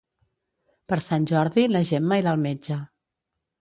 Per Sant Jordi na Gemma irà al metge.